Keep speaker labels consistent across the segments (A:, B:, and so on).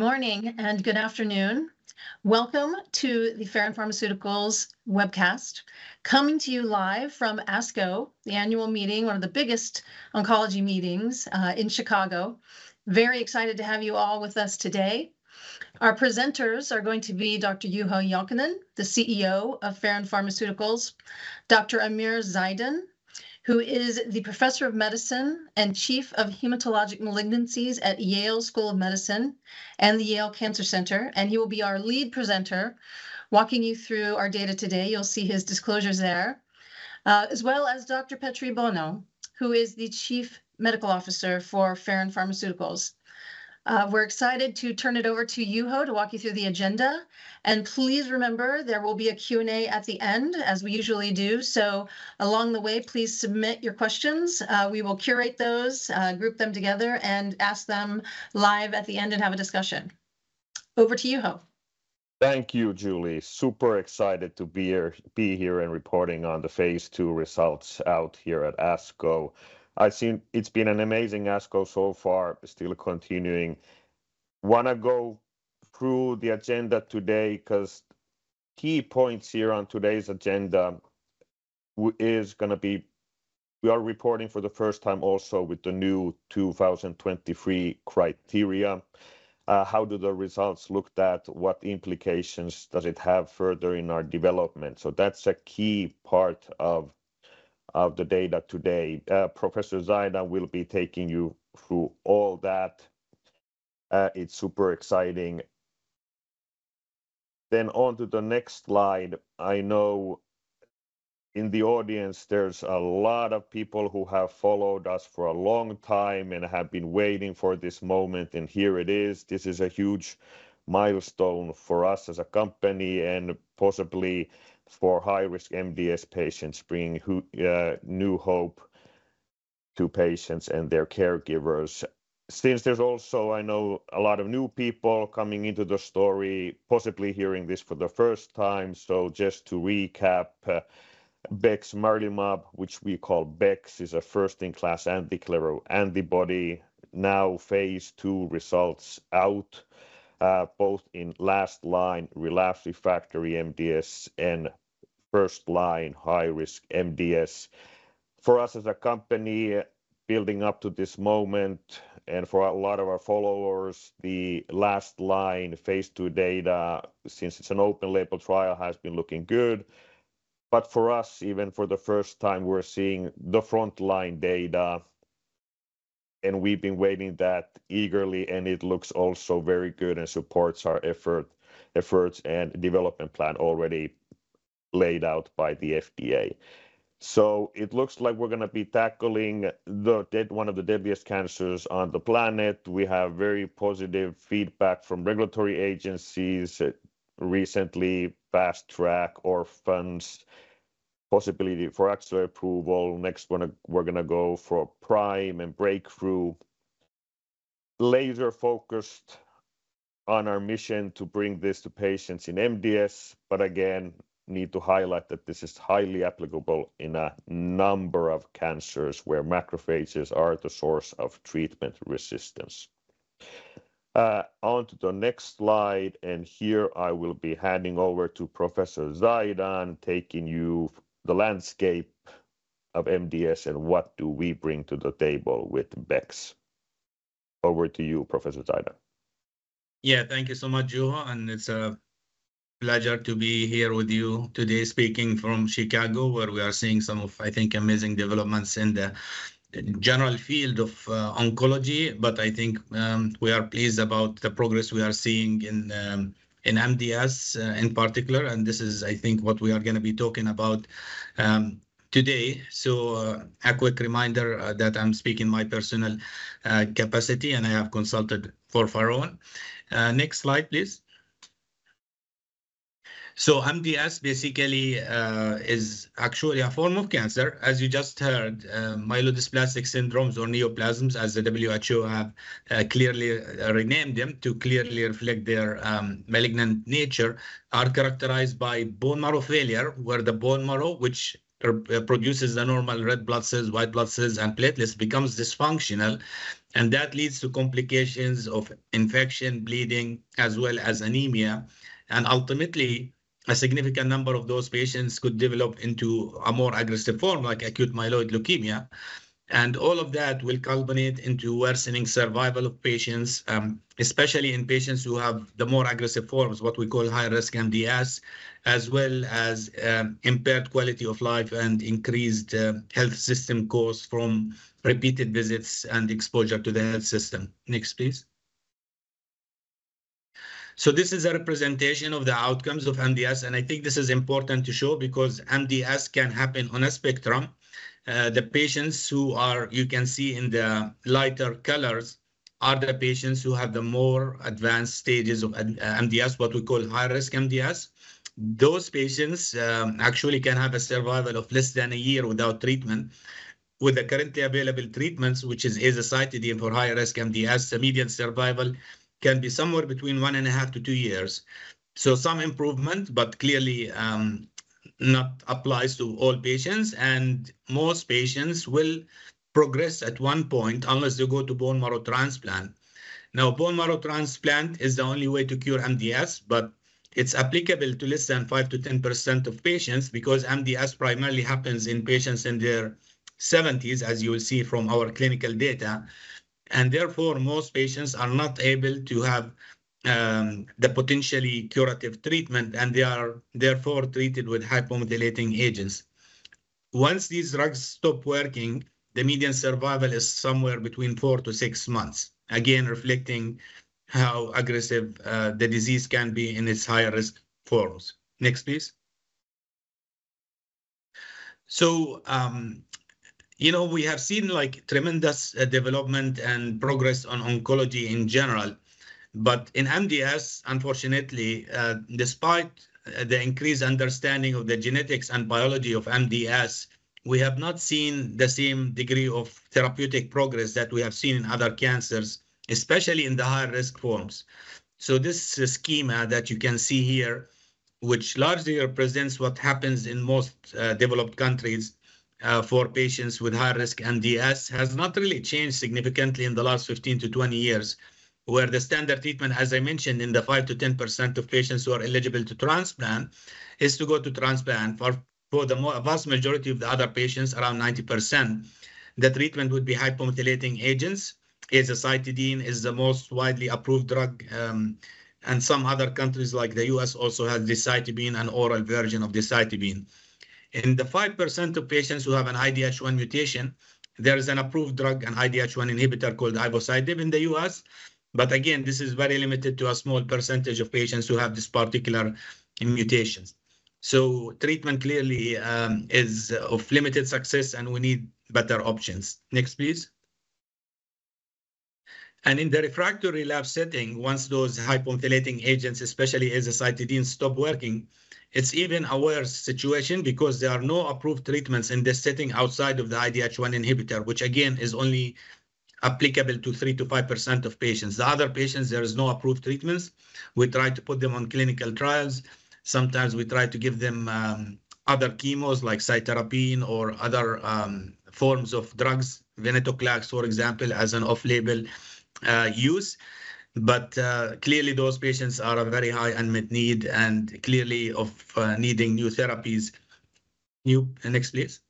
A: Good morning and good afternoon. Welcome to the Faron Pharmaceuticals webcast, coming to you live from ASCO, the annual meeting, one of the biggest oncology meetings in Chicago. Very excited to have you all with us today. Our presenters are going to be Dr. Juho Jalkanen, the CEO of Faron Pharmaceuticals; Dr. Amer Zeidan, who is the Professor of Medicine and Chief of Hematologic Malignancies at Yale School of Medicine and the Yale Cancer Center; and he will be our lead presenter, walking you through our data today. You'll see his disclosures there, as well as Dr. Petri Bono, who is the Chief Medical Officer for Faron Pharmaceuticals. We're excited to turn it over to Juho to walk you through the agenda. Please remember, there will be a Q&A at the end, as we usually do. Along the way, please submit your questions. We will curate those, group them together, and ask them live at the end and have a discussion. Over to Juho.
B: Thank you, Julie. Super excited to be here and reporting on the phase two results out here at ASCO. I see it's been an amazing ASCO so far, still continuing. Want to go through the agenda today because key points here on today's agenda is going to be we are reporting for the first time also with the new 2023 criteria. How do the results look and what implications does it have further in our development? That's a key part of the data today. Professor Zeidan will be taking you through all that. It's super exciting. On to the next slide. I know in the audience, there's a lot of people who have followed us for a long time and have been waiting for this moment. Here it is. This is a huge milestone for us as a company and possibly for high-risk MDS patients, bringing new hope to patients and their caregivers. Since there's also, I know, a lot of new people coming into the story, possibly hearing this for the first time. Just to recap, bexmarilimab, which we call bex, is a first-in-class antibody. Now Phase 2 results out, both in last-line relapsed/refractory MDS and first-line high-risk MDS. For us as a company, building up to this moment, and for a lot of our followers, the last-line Phase 2 data, since it's an open-label trial, has been looking good. For us, even for the first time, we're seeing the front-line data. We've been waiting that eagerly, and it looks also very good and supports our efforts and development plan already laid out by the FDA. It looks like we're going to be tackling one of the deadliest cancers on the planet. We have very positive feedback from regulatory agencies recently: fast track or funds, possibility for accelerated approval. Next, we're going to go for prime and breakthrough, laser-focused on our mission to bring this to patients in MDS. Again, need to highlight that this is highly applicable in a number of cancers where macrophages are the source of treatment resistance. On to the next slide. Here, I will be handing over to Professor Zeidan, taking you through the landscape of MDS and what do we bring to the table with bex. Over to you, Professor Zeidan.
C: Yeah, thank you so much, Juho, and it's a pleasure to be here with you today speaking from Chicago, where we are seeing some of, I think, amazing developments in the general field of oncology. I think we are pleased about the progress we are seeing in MDS in particular. This is, I think, what we are going to be talking about today. A quick reminder that I'm speaking in my personal capacity, and I have consulted for Faron. Next slide, please. MDS basically is actually a form of cancer, as you just heard. Myelodysplastic syndromes or neoplasms, as the WHO have clearly renamed them to clearly reflect their malignant nature, are characterized by bone marrow failure, where the bone marrow, which produces the normal red blood cells, white blood cells, and platelets, becomes dysfunctional. That leads to complications of infection, bleeding, as well as anemia. Ultimately, a significant number of those patients could develop into a more aggressive form, like acute myeloid leukemia. All of that will culminate in worsening survival of patients, especially in patients who have the more aggressive forms, what we call high-risk MDS, as well as impaired quality of life and increased health system costs from repeated visits and exposure to the health system. Next, please. This is a representation of the outcomes of MDS. I think this is important to show because MDS can happen on a spectrum. The patients who are, you can see in the lighter colors, are the patients who have the more advanced stages of MDS, what we call high-risk MDS. Those patients actually can have a survival of less than a year without treatment. With the currently available treatments, which is azacitidine for high-risk MDS, the median survival can be somewhere between one and a half to two years. Some improvement, but clearly not applies to all patients. Most patients will progress at one point unless they go to bone marrow transplant. Now, bone marrow transplant is the only way to cure MDS, but it's applicable to less than 5%-10% of patients because MDS primarily happens in patients in their 70s, as you will see from our clinical data. Therefore, most patients are not able to have the potentially curative treatment, and they are therefore treated with hypomodulating agents. Once these drugs stop working, the median survival is somewhere between four to six months, again, reflecting how aggressive the disease can be in its higher-risk forms. Next, please. You know, we have seen tremendous development and progress in oncology in general. In MDS, unfortunately, despite the increased understanding of the genetics and biology of MDS, we have not seen the same degree of therapeutic progress that we have seen in other cancers, especially in the high-risk forms. This schema that you can see here, which largely represents what happens in most developed countries for patients with high-risk MDS, has not really changed significantly in the last 15 to 20 years, where the standard treatment, as I mentioned, in the 5%-10% of patients who are eligible to transplant, is to go to transplant. For the vast majority of the other patients, around 90%, the treatment would be hypomethylating agents. Azacitidine is the most widely approved drug. Some other countries, like the U.S., also have decitabine and an oral version of decitabine. In the 5% of patients who have an IDH1 mutation, there is an approved drug, an IDH1 inhibitor called ivosidenib in the US. This is very limited to a small percentage of patients who have these particular mutations. Treatment clearly is of limited success, and we need better options. Next, please. In the refractory lab setting, once those hypomethylating agents, especially azacitidine, stop working, it is even a worse situation because there are no approved treatments in this setting outside of the IDH1 inhibitor, which again is only applicable to 3%-5% of patients. The other patients, there are no approved treatments. We try to put them on clinical trials. Sometimes we try to give them other chemos like cytarabine or other forms of drugs, venetoclax, for example, as an off-label use. Clearly, those patients are of very high unmet need and clearly of needing new therapies. Next, please.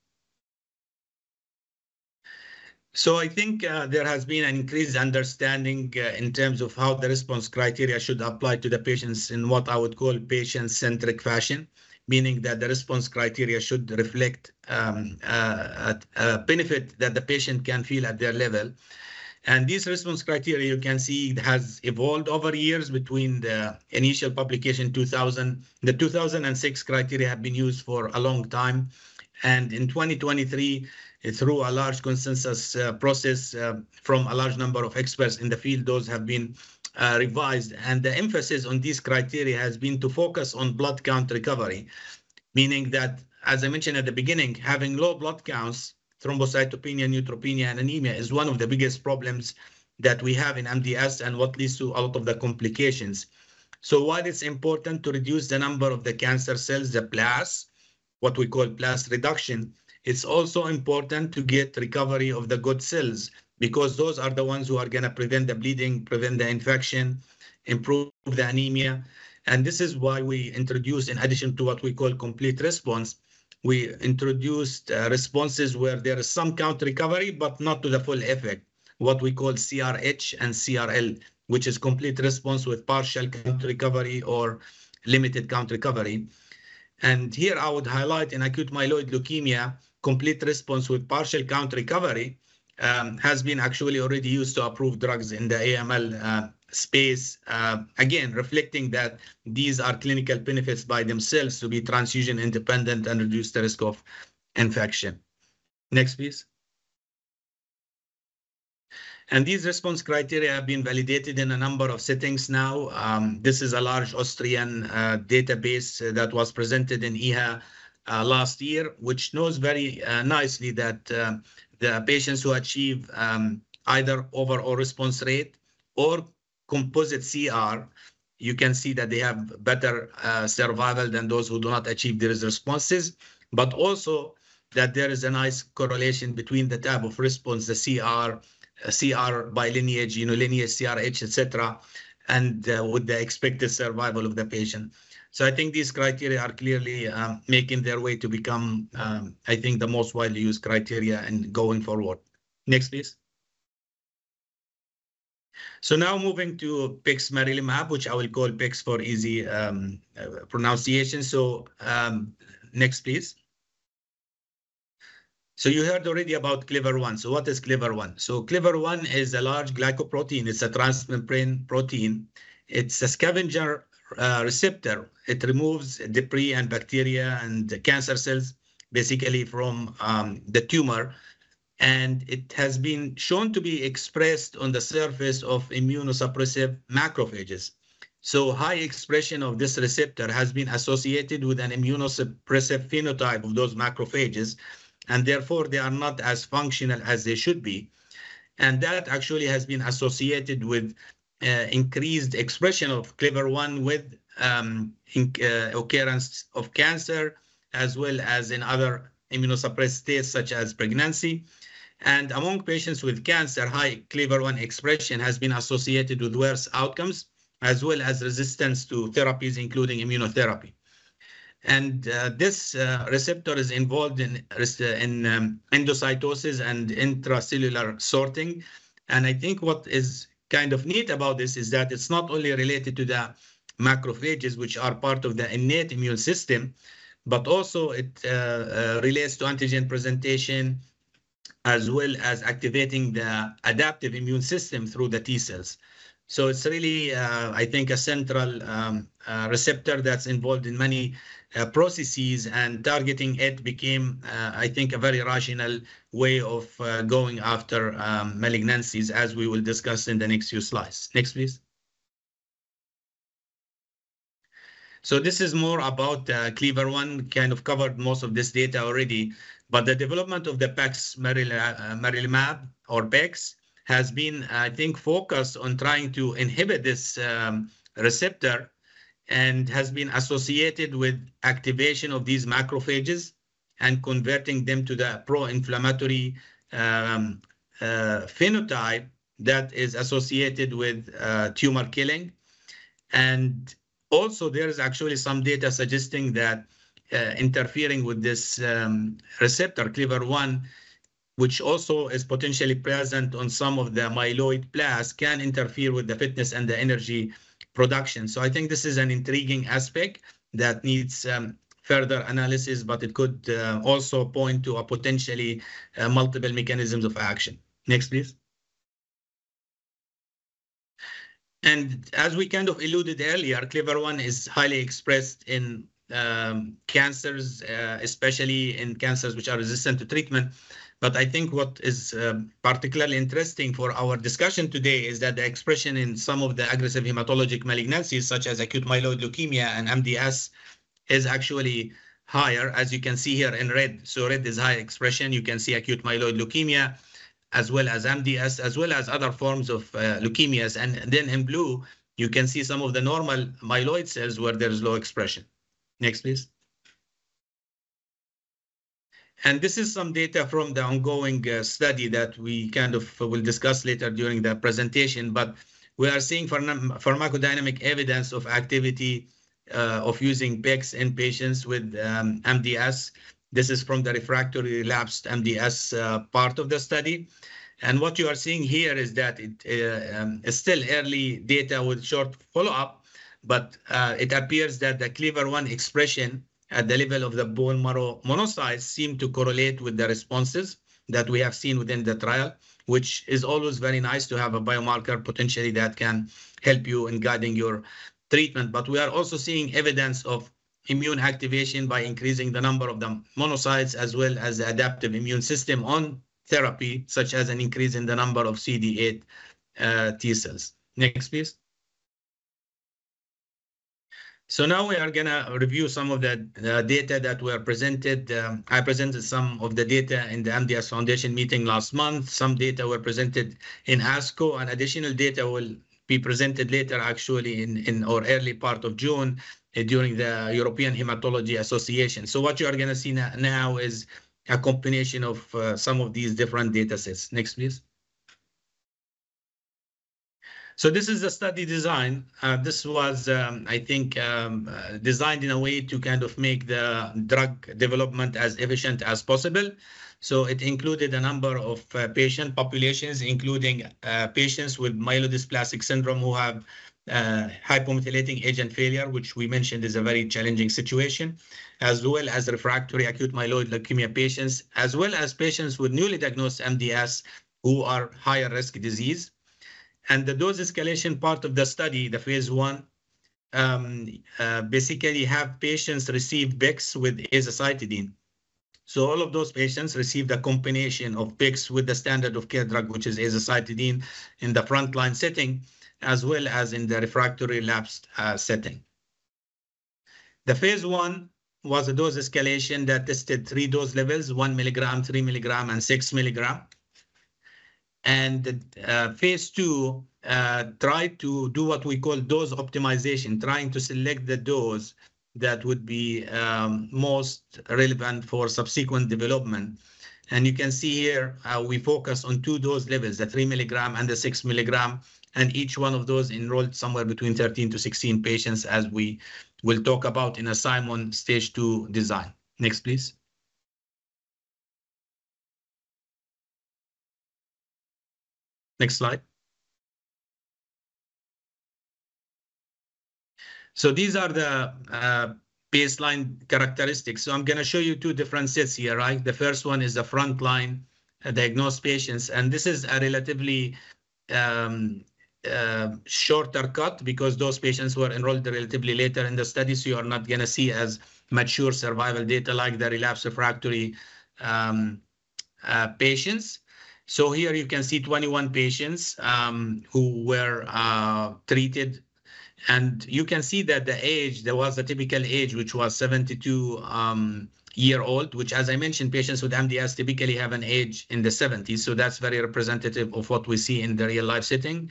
C: I think there has been an increased understanding in terms of how the response criteria should apply to the patients in what I would call patient-centric fashion, meaning that the response criteria should reflect a benefit that the patient can feel at their level. These response criteria, you can see, have evolved over years between the initial publication in 2000. The 2006 criteria have been used for a long time. In 2023, through a large consensus process from a large number of experts in the field, those have been revised. The emphasis on these criteria has been to focus on blood count recovery, meaning that, as I mentioned at the beginning, having low blood counts, thrombocytopenia, neutropenia, and anemia is one of the biggest problems that we have in MDS and what leads to a lot of the complications. While it is important to reduce the number of the cancer cells, the blasts, what we call blast reduction, it is also important to get recovery of the good cells because those are the ones who are going to prevent the bleeding, prevent the infection, improve the anemia. This is why we introduced, in addition to what we call complete response, responses where there is some count recovery, but not to the full effect, what we call CRh and CRL, which is complete response with partial count recovery or limited count recovery. Here, I would highlight in acute myeloid leukemia, complete response with partial count recovery has been actually already used to approve drugs in the AML space, again, reflecting that these are clinical benefits by themselves to be transfusion independent and reduce the risk of infection. Next, please. These response criteria have been validated in a number of settings now. This is a large Austrian database that was presented in EHA last year, which shows very nicely that the patients who achieve either overall response rate or composite CR, you can see that they have better survival than those who do not achieve these responses, but also that there is a nice correlation between the type of response, the CR, CR by lineage, you know, lineage, CRh, et cetera, and with the expected survival of the patient. I think these criteria are clearly making their way to become, I think, the most widely used criteria going forward. Next, please. Now moving to bexmarilimab, which I will call bex for easy pronunciation. Next, please. You heard already about Clever-1. What is Clever-1? Clever-1 is a large glycoprotein. It's a transmembrane protein. It's a scavenger receptor. It removes debris and bacteria and cancer cells basically from the tumor. It has been shown to be expressed on the surface of immunosuppressive macrophages. High expression of this receptor has been associated with an immunosuppressive phenotype of those macrophages, and therefore, they are not as functional as they should be. That actually has been associated with increased expression of Clever-1 with occurrence of cancer, as well as in other immunosuppressed states such as pregnancy. Among patients with cancer, high Clever-1 expression has been associated with worse outcomes, as well as resistance to therapies, including immunotherapy. This receptor is involved in endocytosis and intracellular sorting. I think what is kind of neat about this is that it is not only related to the macrophages, which are part of the innate immune system, but also it relates to antigen presentation, as well as activating the adaptive immune system through the T cells. It is really, I think, a central receptor that is involved in many processes, and targeting it became, I think, a very rational way of going after malignancies, as we will discuss in the next few slides. Next, please. This is more about Clever-1. Kind of covered most of this data already. The development of bexmarilimab, or bex, has been, I think, focused on trying to inhibit this receptor and has been associated with activation of these macrophages and converting them to the pro-inflammatory phenotype that is associated with tumor killing. There is actually some data suggesting that interfering with this receptor, Clever-1, which also is potentially present on some of the myeloid blasts, can interfere with the fitness and the energy production. I think this is an intriguing aspect that needs further analysis, but it could also point to potentially multiple mechanisms of action. Next, please. As we kind of alluded earlier, Clever-1 is highly expressed in cancers, especially in cancers which are resistant to treatment. I think what is particularly interesting for our discussion today is that the expression in some of the aggressive hematologic malignancies, such as acute myeloid leukemia and MDS, is actually higher, as you can see here in red. Red is high expression. You can see acute myeloid leukemia, as well as MDS, as well as other forms of leukemias. In blue, you can see some of the normal myeloid cells where there is low expression. Next, please. This is some data from the ongoing study that we kind of will discuss later during the presentation. We are seeing pharmacodynamic evidence of activity of using bex in patients with MDS. This is from the refractory labs MDS part of the study. What you are seeing here is that it is still early data with short follow-up, but it appears that the Clever-1 expression at the level of the bone marrow monocytes seems to correlate with the responses that we have seen within the trial, which is always very nice to have a biomarker potentially that can help you in guiding your treatment. We are also seeing evidence of immune activation by increasing the number of the monocytes, as well as the adaptive immune system on therapy, such as an increase in the number of CD8 T cells. Next, please. Now we are going to review some of the data that were presented. I presented some of the data in the MDS Foundation meeting last month. Some data were presented in ASCO. Additional data will be presented later, actually, in our early part of June during the European Hematology Association. What you are going to see now is a combination of some of these different data sets. Next, please. This is a study design. This was, I think, designed in a way to kind of make the drug development as efficient as possible. It included a number of patient populations, including patients with myelodysplastic syndrome who have hypomethylating agent failure, which we mentioned is a very challenging situation, as well as refractory acute myeloid leukemia patients, as well as patients with newly diagnosed MDS who are higher-risk disease. In the dose escalation part of the study, the phase one, basically patients receive bex with azacitidine. All of those patients received a combination of bex with the standard of care drug, which is azacitidine, in the frontline setting, as well as in the refractory labs setting. The Phase 1 was a dose escalation that tested three dose levels, 1 mg, 3 mg, and 6 mg. Phase 2 tried to do what we call dose optimization, trying to select the dose that would be most relevant for subsequent development. You can see here how we focus on two dose levels, the 3 mg and the 6 mg, and each one of those enrolled somewhere between 13-16 patients, as we will talk about in a Simon's stage 2 design. Next, please. Next slide. These are the baseline characteristics. I'm going to show you two different sets here, right? The first one is the frontline diagnosed patients. This is a relatively shorter cut because those patients were enrolled relatively later in the study, so you are not going to see as mature survival data like the relapsed/refractory patients. Here you can see 21 patients who were treated. You can see that the age, there was a typical age, which was 72 years old, which, as I mentioned, patients with MDS typically have an age in the 70s. That is very representative of what we see in the real-life setting.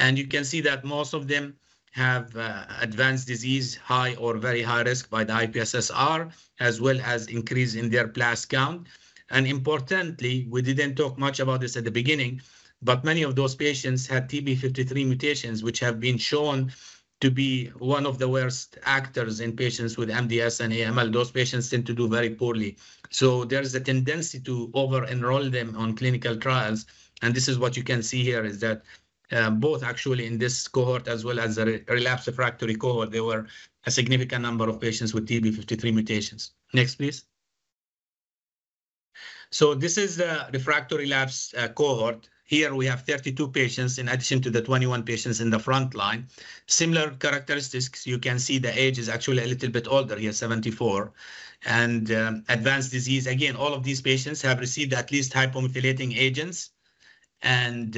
C: You can see that most of them have advanced disease, high or very high risk by the IPSS-R, as well as increase in their blast count. Importantly, we did not talk much about this at the beginning, but many of those patients had TP53 mutations, which have been shown to be one of the worst actors in patients with MDS and AML. Those patients tend to do very poorly. There is a tendency to over-enroll them on clinical trials. What you can see here is that both actually in this cohort, as well as the relapsed/refractory cohort, there were a significant number of patients with TP53 mutations. Next, please. This is the refractory relapsed cohort. Here we have 32 patients in addition to the 21 patients in the frontline. Similar characteristics, you can see the age is actually a little bit older here, 74. Advanced disease, again, all of these patients have received at least hypomethylating agents. Some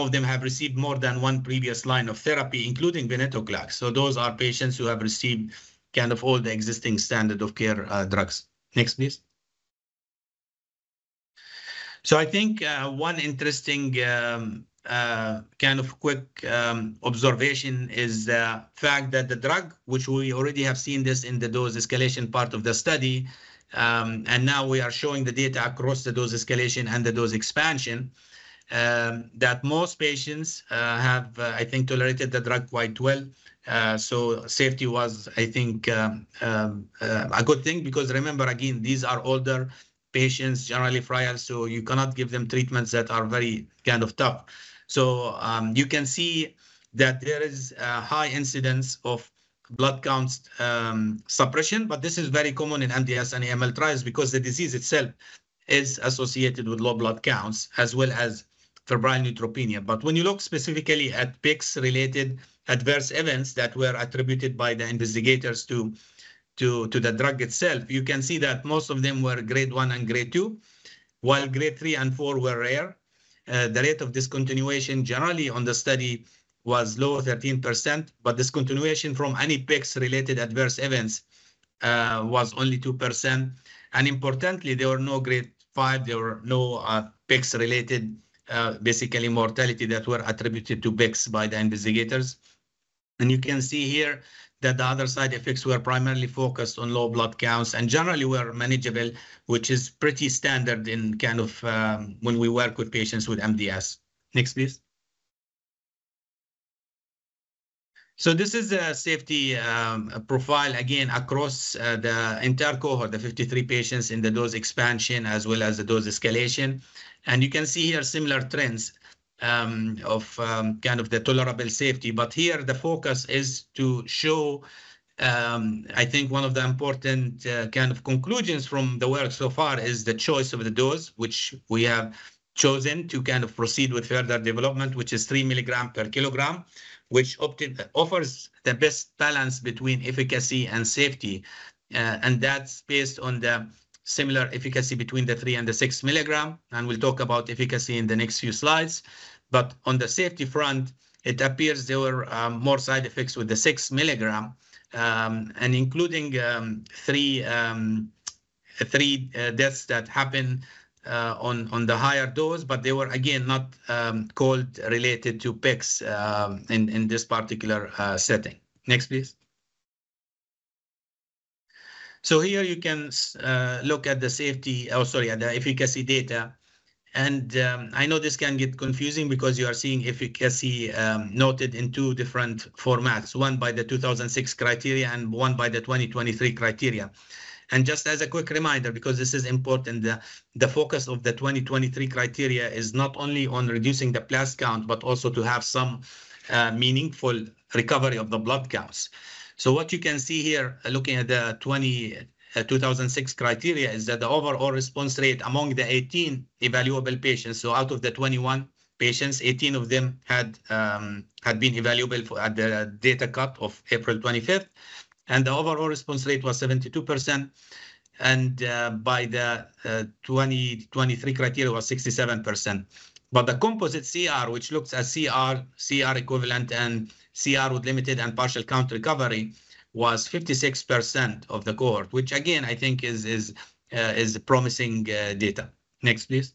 C: of them have received more than one previous line of therapy, including venetoclax. Those are patients who have received kind of all the existing standard of care drugs. Next, please. I think one interesting kind of quick observation is the fact that the drug, which we already have seen this in the dose escalation part of the study, and now we are showing the data across the dose escalation and the dose expansion, that most patients have, I think, tolerated the drug quite well. Safety was, I think, a good thing because remember, again, these are older patients, generally frail, so you cannot give them treatments that are very kind of tough. You can see that there is a high incidence of blood counts suppression, but this is very common in MDS and AML trials because the disease itself is associated with low blood counts, as well as febrile neutropenia. When you look specifically at bex-related adverse events that were attributed by the investigators to the drug itself, you can see that most of them were Grade 1 and Grade 2, while Grade 3 and 4 were rare. The rate of discontinuation generally on the study was low, 13%, but discontinuation from any bex-related adverse events was only 2%. Importantly, there were no Grade 5, there were no bex-related basically mortality that were attributed to bex by the investigators. You can see here that the other side effects were primarily focused on low blood counts and generally were manageable, which is pretty standard in kind of when we work with patients with MDS. Next, please. This is a safety profile, again, across the entire cohort, the 53 patients in the dose expansion, as well as the dose escalation. You can see here similar trends of kind of the tolerable safety. Here the focus is to show, I think one of the important kind of conclusions from the work so far is the choice of the dose, which we have chosen to kind of proceed with further development, which is 3 mg per kg, which offers the best balance between efficacy and safety. That is based on the similar efficacy between the 3 mg and the 6 mg. We will talk about efficacy in the next few slides. On the safety front, it appears there were more side effects with the 6 mg, including three deaths that happened on the higher dose, but they were again not called related to bex in this particular setting. Next, please. Here you can look at the safety—oh, sorry, at the efficacy data. I know this can get confusing because you are seeing efficacy noted in two different formats, one by the 2006 criteria and one by the 2023 criteria. Just as a quick reminder, because this is important, the focus of the 2023 criteria is not only on reducing the blast count, but also to have some meaningful recovery of the blood counts. What you can see here, looking at the 2006 criteria, is that the overall response rate among the 18 evaluable patients—so out of the 21 patients, 18 of them had been evaluable at the data cut of April 25th. The overall response rate was 72%. By the 2023 criteria, it was 67%. The composite CR, which looks at CR equivalent and CR with limited and partial count recovery, was 56% of the cohort, which again, I think, is promising data. Next, please.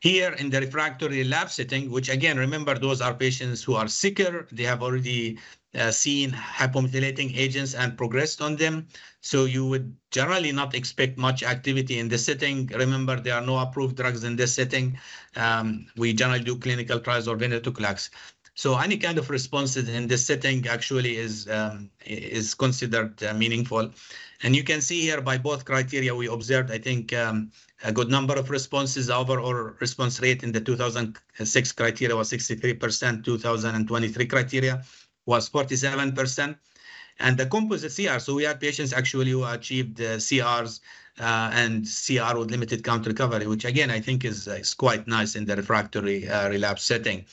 C: Here in the refractory lab setting, which again, remember, those are patients who are sicker. They have already seen hypomethylating agents and progressed on them. You would generally not expect much activity in the setting. Remember, there are no approved drugs in this setting. We generally do clinical trials or venetoclax. Any kind of responses in this setting actually is considered meaningful. You can see here by both criteria, we observed, I think, a good number of responses. The overall response rate in the 2006 criteria was 63%. The 2023 criteria was 47%. The composite CR—so we had patients actually who achieved CRs and CR with limited count recovery, which again, I think, is quite nice in the refractory relapse setting.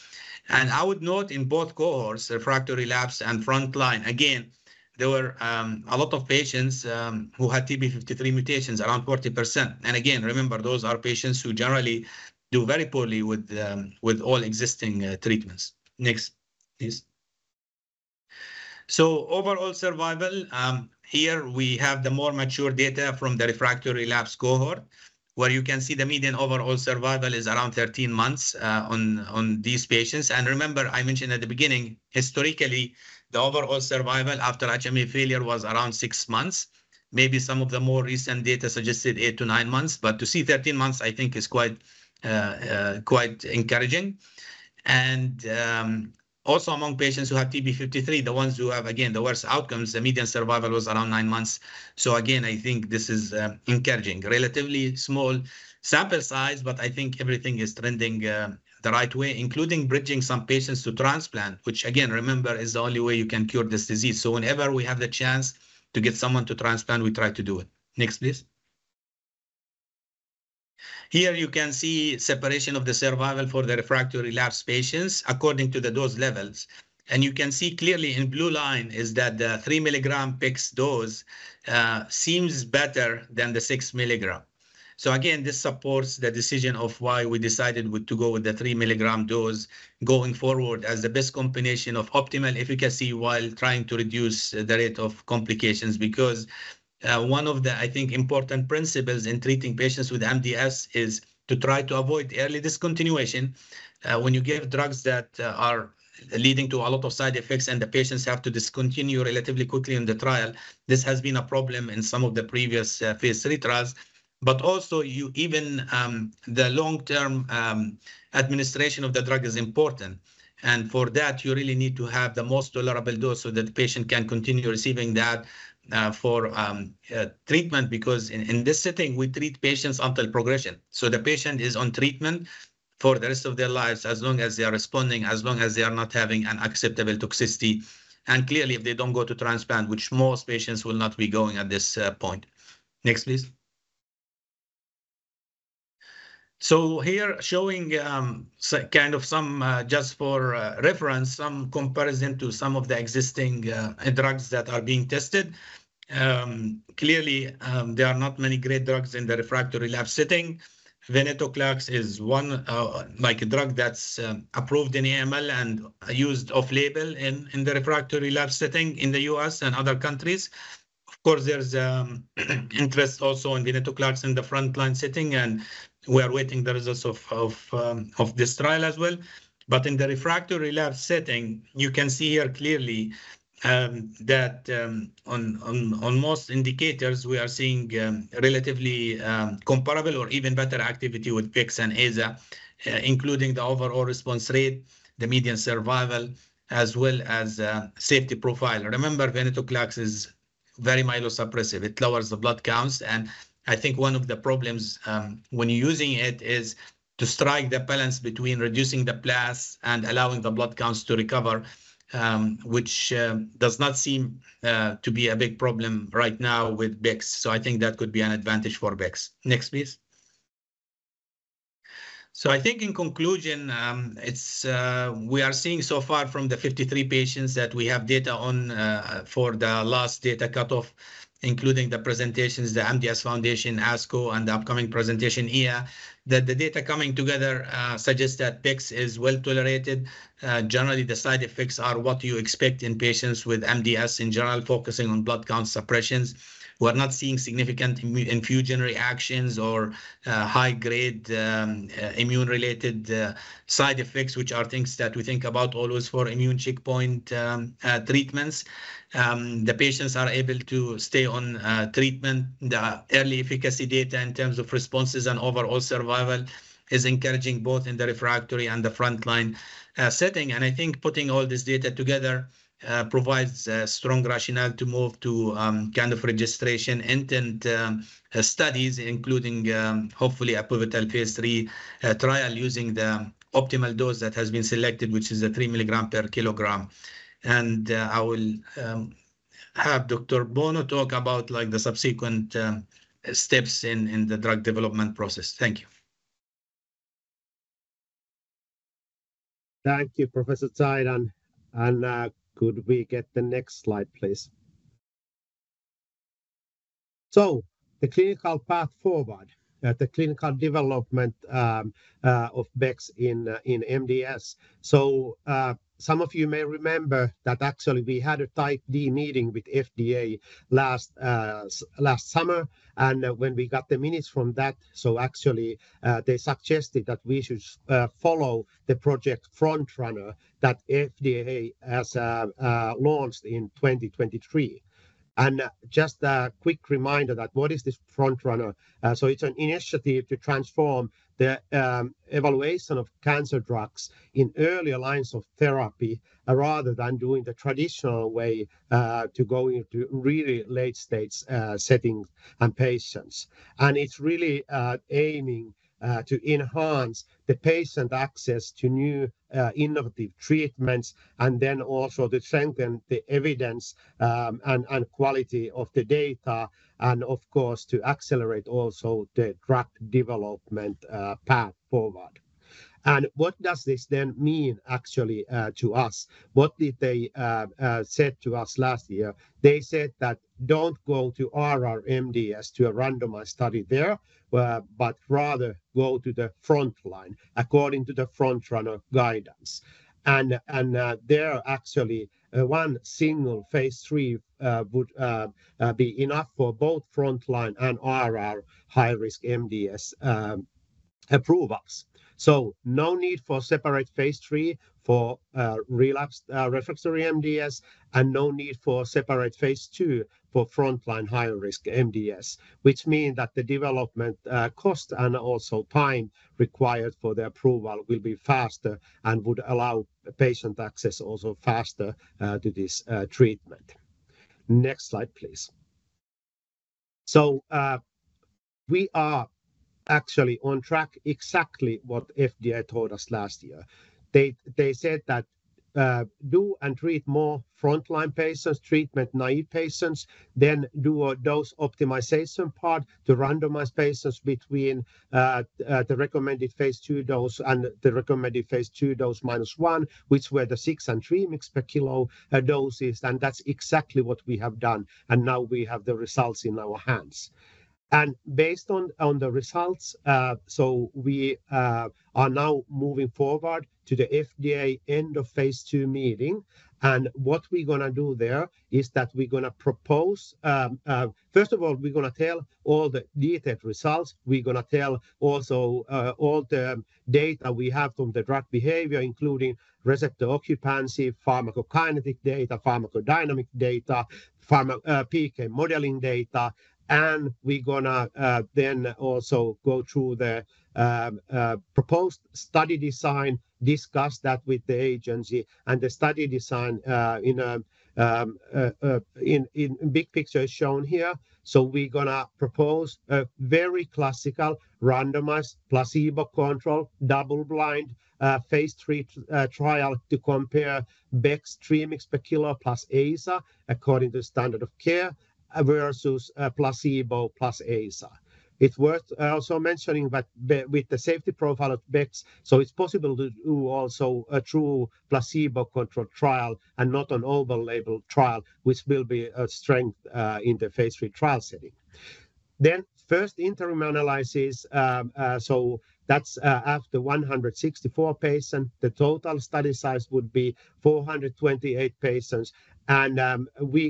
C: I would note in both cohorts, refractory labs and frontline, again, there were a lot of patients who had TP53 mutations, around 40%. Again, remember, those are patients who generally do very poorly with all existing treatments. Next, please. Overall survival, here we have the more mature data from the refractory labs cohort, where you can see the median overall survival is around 13 months on these patients. I mentioned at the beginning, historically, the overall survival after HMA failure was around six months. Maybe some of the more recent data suggested eight to nine months. To see 13 months, I think, is quite encouraging. Also among patients who have TP53, the ones who have, again, the worst outcomes, the median survival was around nine months. I think this is encouraging. Relatively small sample size, but I think everything is trending the right way, including bridging some patients to transplant, which, remember, is the only way you can cure this disease. Whenever we have the chance to get someone to transplant, we try to do it. Next, please. Here you can see separation of the survival for the refractory MDS patients according to the dose levels. You can see clearly in blue line is that the 3 mg bex dose seems better than the 6 mg. Again, this supports the decision of why we decided to go with the 3 mg dose going forward as the best combination of optimal efficacy while trying to reduce the rate of complications because one of the, I think, important principles in treating patients with MDS is to try to avoid early discontinuation when you give drugs that are leading to a lot of side effects and the patients have to discontinue relatively quickly in the trial. This has been a problem in some of the previous Phase 3 trials. Also, even the long-term administration of the drug is important. For that, you really need to have the most tolerable dose so that the patient can continue receiving that for treatment because in this setting, we treat patients until progression. The patient is on treatment for the rest of their lives as long as they are responding, as long as they are not having an acceptable toxicity. Clearly, if they do not go to transplant, which most patients will not be going at this point. Next, please. Here showing kind of some just for reference, some comparison to some of the existing drugs that are being tested. Clearly, there are not many great drugs in the refractory lab setting. Venetoclax is one drug that is approved in AML and used off-label in the refractory lab setting in the U.S. and other countries. Of course, there's interest also in venetoclax in the frontline setting, and we are waiting the results of this trial as well. In the refractory lab setting, you can see here clearly that on most indicators, we are seeing relatively comparable or even better activity with bex and aza, including the overall response rate, the median survival, as well as safety profile. Remember, venetoclax is very myelosuppressive. It lowers the blood counts. I think one of the problems when using it is to strike the balance between reducing the blast and allowing the blood counts to recover, which does not seem to be a big problem right now with bex. I think that could be an advantage for bex. Next, please. I think in conclusion, we are seeing so far from the 53 patients that we have data on for the last data cut-off, including the presentations, the MDS Foundation, ASCO, and the upcoming presentation, EHA, that the data coming together suggests that bex is well tolerated. Generally, the side effects are what you expect in patients with MDS in general, focusing on blood count suppressions. We're not seeing significant infusion reactions or high-grade immune-related side effects, which are things that we think about always for immune checkpoint treatments. The patients are able to stay on treatment. The early efficacy data in terms of responses and overall survival is encouraging both in the refractory and the frontline setting. I think putting all this data together provides a strong rationale to move to kind of registration intent studies, including hopefully a pivotal Phase 3 trial using the optimal dose that has been selected, which is the 3 mg per kilogram. I will have Dr. Bono talk about the subsequent steps in the drug development process. Thank you.
D: Thank you, Professor Zeidan. Could we get the next slide, please? The clinical path forward, the clinical development of bex in MDS. Some of you may remember that actually we had a Type D meeting with FDA last summer. When we got the minutes from that, actually they suggested that we should follow the Project FrontRunner that FDA has launched in 2023. Just a quick reminder, what is this FrontRunner? It's an initiative to transform the evaluation of cancer drugs in earlier lines of therapy rather than doing the traditional way to go into really late-stage settings and patients. It is really aiming to enhance the patient access to new innovative treatments and then also to strengthen the evidence and quality of the data and, of course, to accelerate also the drug development path forward. What does this then mean actually to us? What did they say to us last year? They said that don't go to r/r MDS to a randomized study there, but rather go to the frontline according to the FrontRunner guidance. There actually one single Phase 3 would be enough for both frontline and r/r high-risk MDS approvals. No need for separate Phase 3 for relapsed/refractory MDS and no need for separate Phase 2 for frontline high-risk MDS, which means that the development cost and also time required for the approval will be faster and would allow patient access also faster to this treatment. Next slide, please. We are actually on track exactly what FDA told us last year. They said that do and treat more frontline patients, treatment naive patients, then do a dose optimization part to randomize patients between the recommended Phase 2 dose and the recommended Phase 2 dose minus one, which were the 6 mg and 3 mg per kg doses. That is exactly what we have done. Now we have the results in our hands. Based on the results, we are now moving forward to the FDA end of Phase 2 meeting. What we're going to do there is that we're going to propose, first of all, we're going to tell all the detailed results. We're going to tell also all the data we have from the drug behavior, including receptor occupancy, pharmacokinetic data, pharmacodynamic data, PK modeling data. We're going to then also go through the proposed study design, discuss that with the agency. The study design in big picture is shown here. We're going to propose a very classical randomized placebo-controlled double-blind Phase 3 trial to compare bex 3 mg per kilo plus aza according to standard of care versus placebo plus aza. It's worth also mentioning that with the safety profile of bex, it's possible to do also a true placebo-controlled trial and not an over-label trial, which will be a strength in the Phase 3 trial setting. The first interim analysis, so that's after 164 patients. The total study size would be 428 patients. We are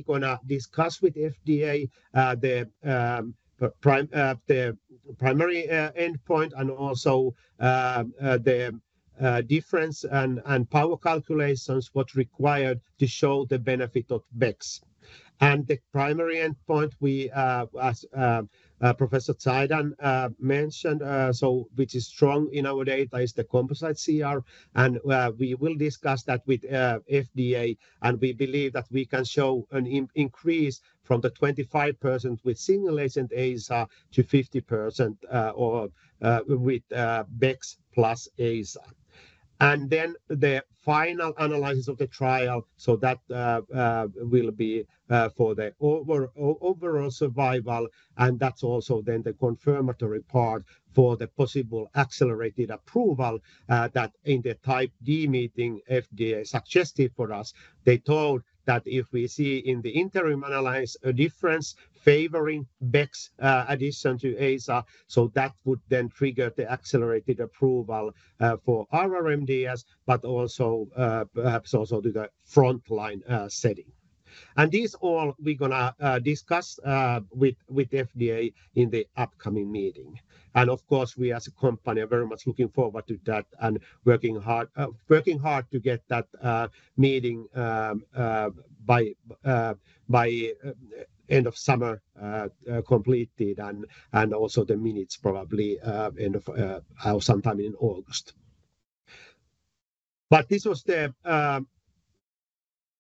D: going to discuss with FDA the primary endpoint and also the difference and power calculations, what's required to show the benefit of bex. The primary endpoint, as Professor Zeidan mentioned, which is strong in our data, is the composite CR. We will discuss that with FDA. We believe that we can show an increase from the 25% with single-agent aza to 50% with bex plus aza. The final analysis of the trial, so that will be for the overall survival. That is also then the confirmatory part for the possible accelerated approval that in the Type D meeting, FDA suggested for us. They told that if we see in the interim analysis a difference favoring bex addition to aza, that would then trigger the accelerated approval for r/r MDS, but also perhaps also to the frontline setting. These all we're going to discuss with FDA in the upcoming meeting. Of course, we as a company are very much looking forward to that and working hard to get that meeting by end of summer completed and also the minutes probably end of sometime in August. This was the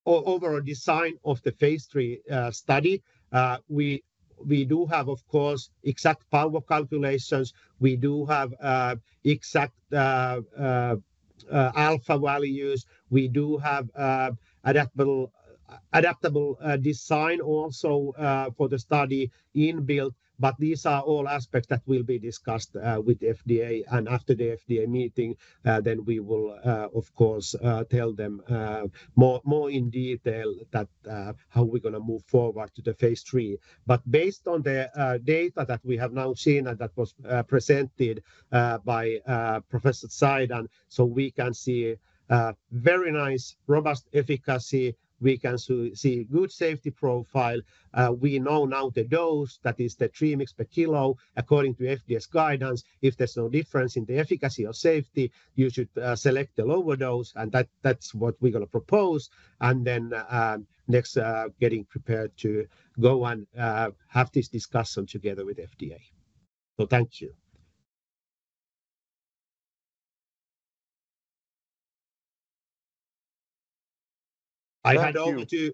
D: overall design of the phase three study. We do have, of course, exact power calculations. We do have exact alpha values. We do have adaptable design also for the study inbuilt. These are all aspects that will be discussed with FDA. After the FDA meeting, we will, of course, tell them more in detail how we are going to move forward to the Phase 3. Based on the data that we have now seen and that was presented by Professor Zeidan, we can see very nice robust efficacy. We can see good safety profile. We know now the dose, that is the 3 mg per kg according to FDA's guidance. If there is no difference in the efficacy or safety, you should select the lower dose. That is what we are going to propose. Next, getting prepared to go and have this discussion together with FDA. Thank you. I had only to.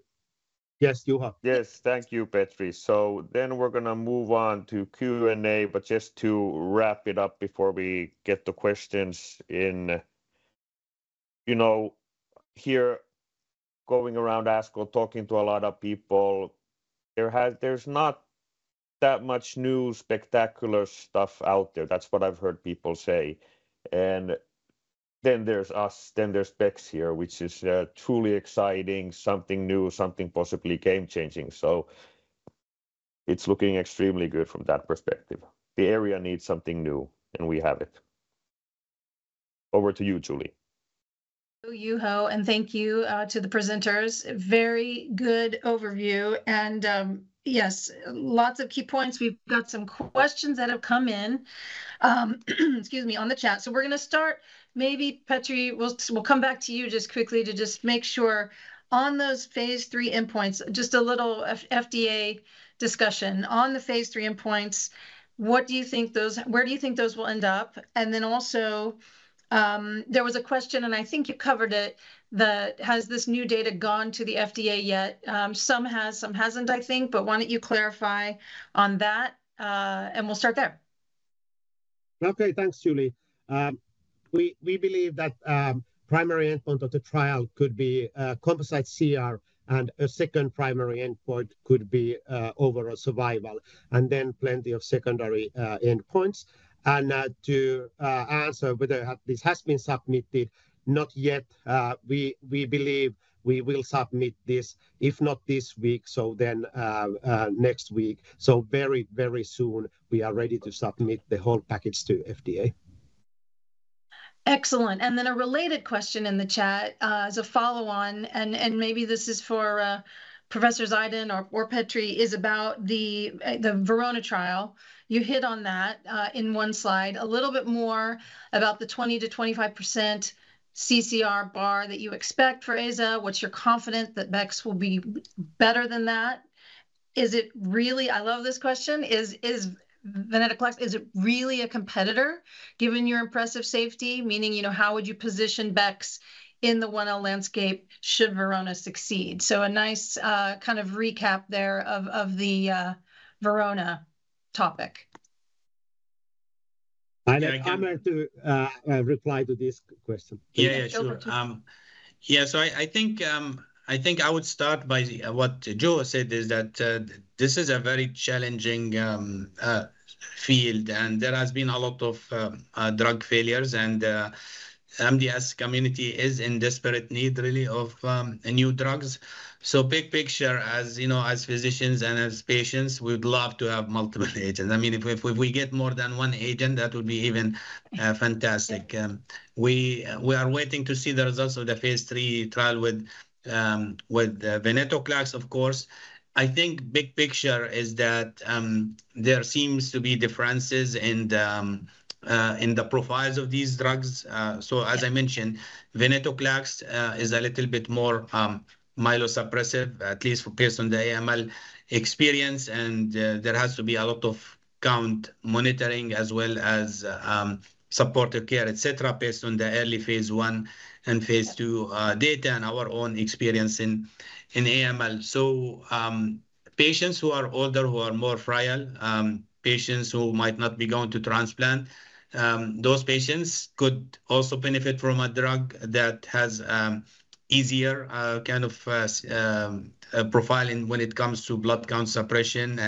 D: Yes, you have.
B: Yes, thank you, Petri. We are going to move on to Q&A, but just to wrap it up before we get the questions in. You know, here going around ASCO, talking to a lot of people, there's not that much new spectacular stuff out there. That's what I've heard people say. Then there's us, then there's bex here, which is truly exciting, something new, something possibly game-changing. It is looking extremely good from that perspective. The area needs something new, and we have it. Over to you, Julie. Oh, Juho. And thank you to the presenters. Very good overview. Yes, lots of key points. We've got some questions that have come in, excuse me, on the chat. We're going to start, maybe, Petri, we'll come back to you just quickly to just make sure on those Phase 3 endpoints, just a little FDA discussion on the Phase 3 endpoints. What do you think those, where do you think those will end up? There was a question, and I think you covered it, that has this new data gone to the FDA yet? Some has, some has not, I think, but why do not you clarify on that? We will start there.
D: Okay, thanks, Julie. We believe that primary endpoint of the trial could be composite CR, and a second primary endpoint could be overall survival, and then plenty of secondary endpoints. To answer whether this has been submitted, not yet. We believe we will submit this, if not this week, then next week. Very, very soon, we are ready to submit the whole package to FDA. Excellent. A related question in the chat as a follow-on, and maybe this is for Professor Zeidan or Petri, is about the VERONA trial. You hit on that in one slide. A little bit more about the 20%-25% cCR bar that you expect for aza. What's your confidence that bex will be better than that? Is it really—I love this question. Is venetoclax, is it really a competitor given your impressive safety? Meaning, how would you position bex in the 1L landscape should VERONA succeed? A nice kind of recap there of the VERON topic. I'm going to reply to this question.
C: Yeah, sure. Yeah, I think I would start by what Juho said is that this is a very challenging field, and there has been a lot of drug failures, and the MDS community is in desperate need really of new drugs. Big picture, as physicians and as patients, we'd love to have multiple agents. I mean, if we get more than one agent, that would be even fantastic. We are waiting to see the results of the phase three trial with venetoclax, of course. I think big picture is that there seems to be differences in the profiles of these drugs. As I mentioned, venetoclax is a little bit more myelosuppressive, at least for patients on the AML experience, and there has to be a lot of count monitoring as well as supportive care, etc., based on the early Phase 1 and Phase 2 data and our own experience in AML. Patients who are older, who are more frail, patients who might not be going to transplant, those patients could also benefit from a drug that has an easier kind of profile when it comes to blood count suppression.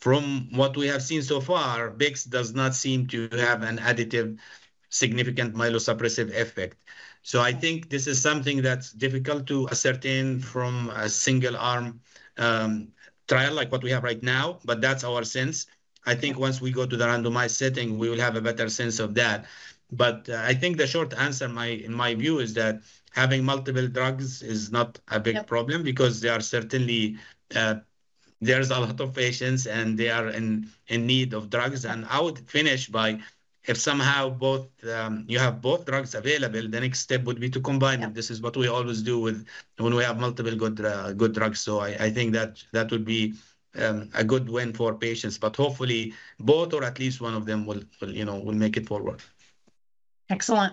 C: From what we have seen so far, bex does not seem to have an additive significant myelosuppressive effect. I think this is something that's difficult to ascertain from a single-arm trial like what we have right now, but that's our sense. I think once we go to the randomized setting, we will have a better sense of that. I think the short answer, in my view, is that having multiple drugs is not a big problem because there are certainly a lot of patients, and they are in need of drugs. I would finish by, if somehow you have both drugs available, the next step would be to combine them. This is what we always do when we have multiple good drugs. I think that that would be a good win for patients. Hopefully, both or at least one of them will make it forward. Excellent.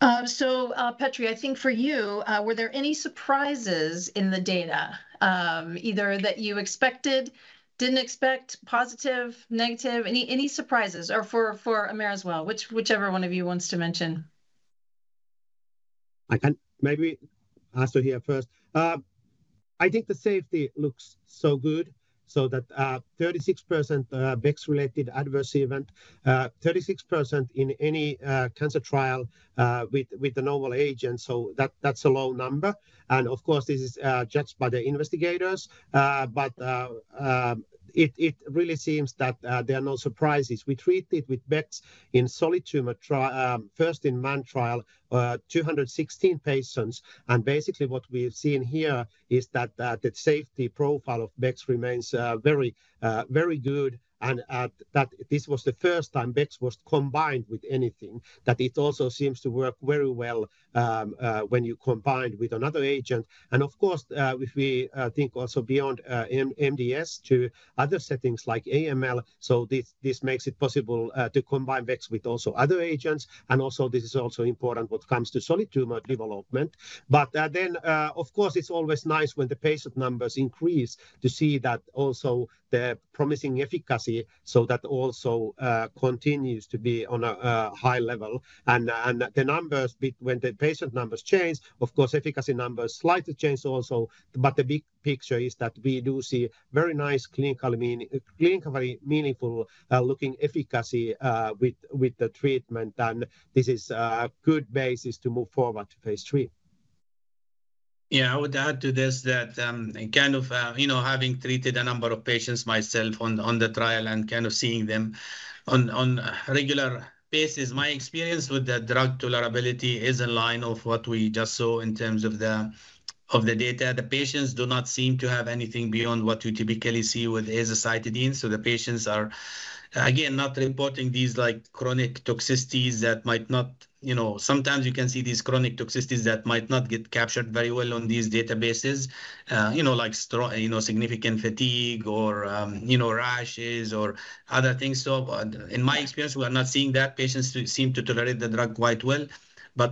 C: Petri, I think for you, were there any surprises in the data, either that you expected, did not expect, positive, negative, any surprises? Or for Amer as well, whichever one of you wants to mention.
D: I can maybe answer here first. I think the safety looks so good. That 36% bex-related adverse event, 36% in any cancer trial with a novel agent, that is a low number. Of course, this is judged by the investigators. It really seems that there are no surprises. We treated with bex in solitary first-in-man trial, 216 patients. Basically, what we have seen here is that the safety profile of bex remains very good. This was the first time bex was combined with anything. It also seems to work very well when you combine with another agent. Of course, if we think also beyond MDS to other settings like AML, this makes it possible to combine bex with also other agents. This is also important when it comes to solitary development. Of course, it's always nice when the patient numbers increase to see that the promising efficacy also continues to be on a high level. The numbers, when the patient numbers change, of course, efficacy numbers slightly change also. The big picture is that we do see very nice clinically meaningful-looking efficacy with the treatment. This is a good basis to move forward to Phase 3.
C: Yeah, I would add to this that kind of having treated a number of patients myself on the trial and kind of seeing them on a regular basis, my experience with the drug tolerability is in line with what we just saw in terms of the data. The patients do not seem to have anything beyond what you typically see with azacitidine. The patients are, again, not reporting these chronic toxicities that might not—sometimes you can see these chronic toxicities that might not get captured very well on these databases, like significant fatigue or rashes or other things. In my experience, we are not seeing that. Patients seem to tolerate the drug quite well.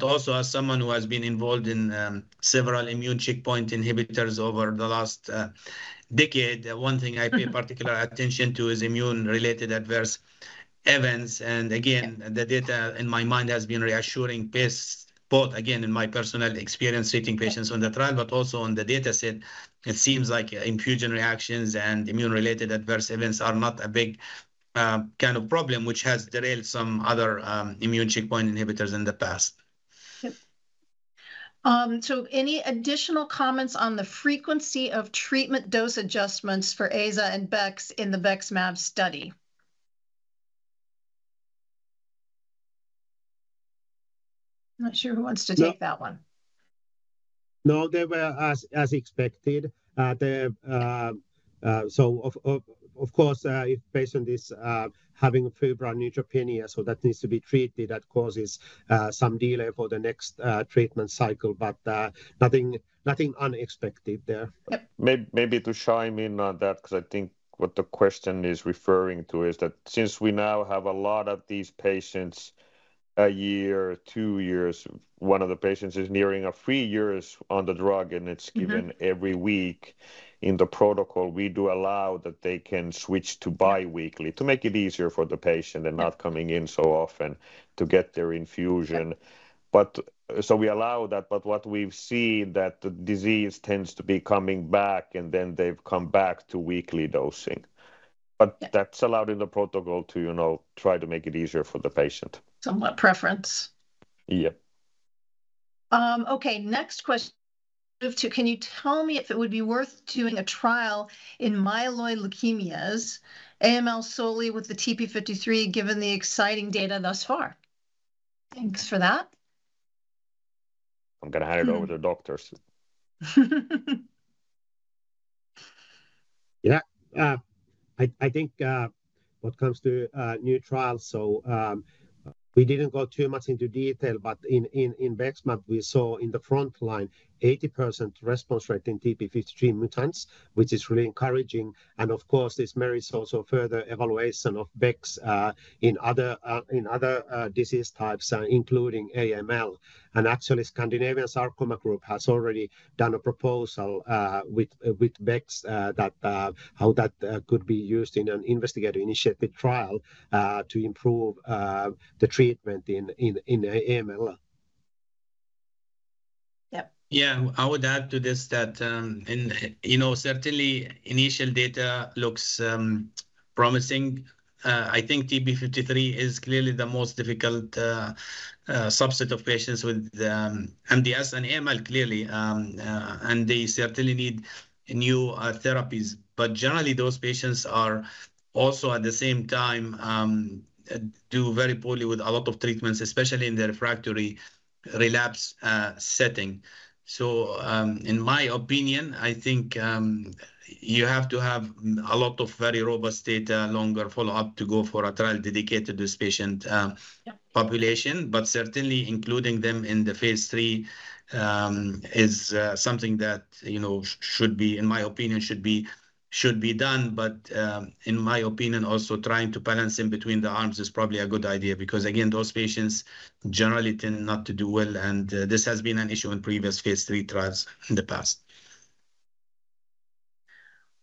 C: Also, as someone who has been involved in several immune checkpoint inhibitors over the last decade, one thing I pay particular attention to is immune-related adverse events. Again, the data in my mind has been reassuring both, again, in my personal experience treating patients on the trial, but also on the dataset. It seems like infusion reactions and immune-related adverse events are not a big kind of problem, which has derailed some other immune checkpoint inhibitors in the past. Any additional comments on the frequency of treatment dose adjustments for aza and bex in the BEXMAB study? Not sure who wants to take that one.
D: No, they were as expected. Of course, if a patient is having febrile neutropenia, that needs to be treated, that causes some delay for the next treatment cycle. Nothing unexpected there.
B: Maybe to chime in on that, because I think what the question is referring to is that since we now have a lot of these patients a year, two years, one of the patients is nearing three years on the drug, and it's given every week in the protocol, we do allow that they can switch to biweekly to make it easier for the patient and not coming in so often to get their infusion. We do allow that, but what we've seen is that the disease tends to be coming back, and then they've come back to weekly dosing. That's allowed in the protocol to try to make it easier for the patient. Somewhat preference. Yeah. Okay, next question too. Can you tell me if it would be worth doing a trial in myeloid leukemias, AML solely with the TP53, given the exciting data thus far? Thanks for that. I'm going to hand it over to the doctors.
D: Yeah, I think when it comes to new trials, we didn't go too much into detail, but in BEXMAB, we saw in the front line 80% response rate in TP53 mutants, which is really encouraging. This merits also further evaluation of bex in other disease types, including AML. Actually, Scandinavian Sarcoma Group has already done a proposal with bex about how that could be used in an investigator-initiated trial to improve the treatment in AML.
C: I would add to this that certainly initial data looks promising. I think TP53 is clearly the most difficult subset of patients with MDS and AML, clearly. They certainly need new therapies. Generally, those patients also at the same time do very poorly with a lot of treatments, especially in the refractory relapse setting. In my opinion, I think you have to have a lot of very robust data, longer follow-up to go for a trial dedicated to this patient population. Certainly, including them in the Phase 3 is something that, in my opinion, should be done. In my opinion, also trying to balance in between the arms is probably a good idea because, again, those patients generally tend not to do well. This has been an issue in previous Phase 3 trials in the past.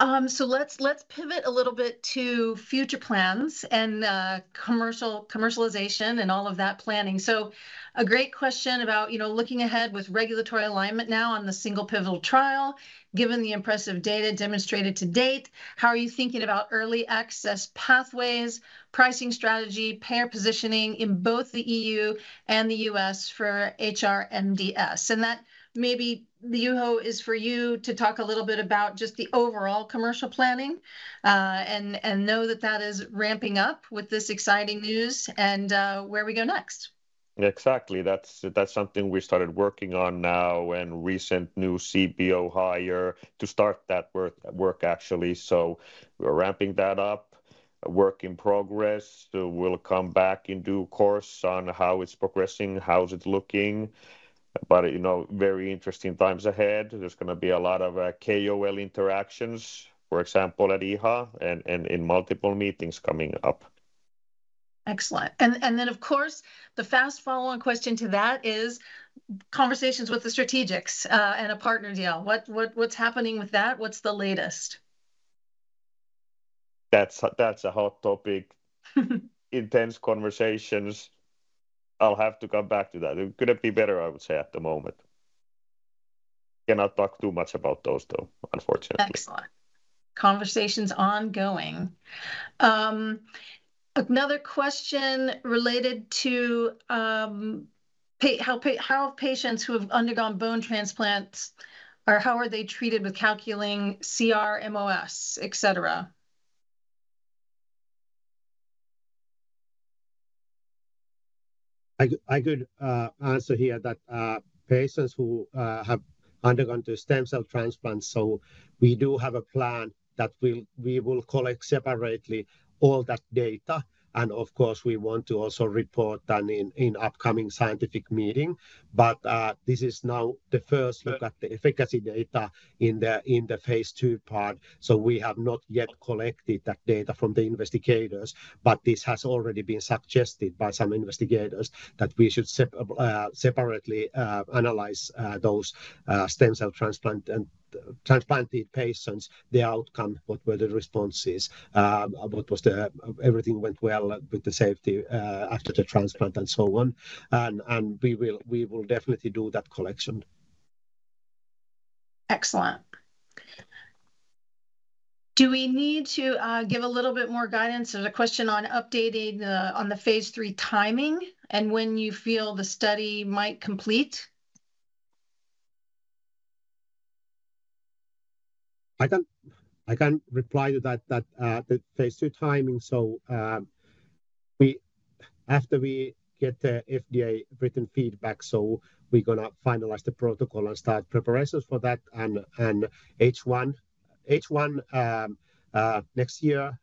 C: Let's pivot a little bit to future plans and commercialization and all of that planning. A great question about looking ahead with regulatory alignment now on the single-pivotal trial, given the impressive data demonstrated to date, how are you thinking about early access pathways, pricing strategy, pair positioning in both the EU and the U.S. for HR-MDS? That maybe the Juho is for you to talk a little bit about just the overall commercial planning and know that that is ramping up with this exciting news and where we go next?
B: Exactly. That's something we started working on now and recent new CBO hire to start that work, actually. We're ramping that up, work in progress. We'll come back in due course on how it's progressing, how's it looking. Very interesting times ahead. There's going to be a lot of KOL interactions, for example, at EHA and in multiple meetings coming up. Excellent. Of course, the fast-following question to that is conversations with the strategics and a partner deal. What's happening with that? What's the latest? That's a hot topic. Intense conversations. I'll have to come back to that. It couldn't be better, I would say, at the moment. Cannot talk too much about those, though, unfortunately. Excellent. Conversations ongoing. Another question related to how patients who have undergone bone transplants or how are they treated with calculating CR, mOS, etc.
C: I could answer here that patients who have undergone stem cell transplants, so we do have a plan that we will collect separately all that data. Of course, we want to also report that in upcoming scientific meeting. This is now the first look at the efficacy data in the Phase 2 part. We have not yet collected that data from the investigators, but this has already been suggested by some investigators that we should separately analyze those stem cell transplanted patients, their outcome, what were the responses, whether everything went well with the safety after the transplant and so on. We will definitely do that collection. Excellent. Do we need to give a little bit more guidance? There's a question on updating on the Phase 3 timing and when you feel the study might complete?
D: I can't reply to that, the Phase 2 timing. After we get the FDA written feedback, we're going to finalize the protocol and start preparations for that. In H1 next year,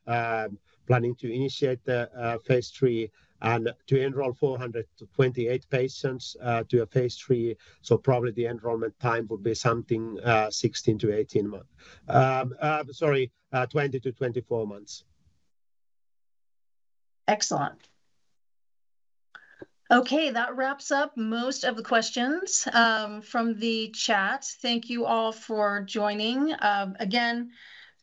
D: planning to initiate the Phase 3 and to enroll 428 patients to a Phase 3. Probably the enrollment time would be something 16-18 months. Sorry, 20-24 months. Excellent. Okay, that wraps up most of the questions from the chat. Thank you all for joining. Again,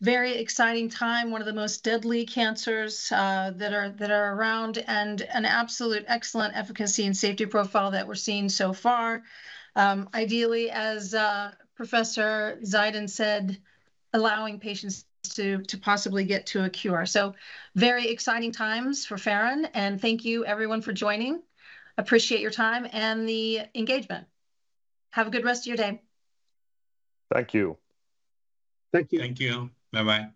D: very exciting time, one of the most deadly cancers that are around and an absolute excellent efficacy and safety profile that we're seeing so far. Ideally, as Professor Zeidan said, allowing patients to possibly get to a cure. Very exciting times for Faron. Thank you, everyone, for joining. Appreciate your time and the engagement. Have a good rest of your day.
B: Thank you.
C: Thank you.
D: Thank you. Bye-bye.